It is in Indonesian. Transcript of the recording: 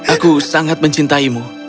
aku sangat mencintaimu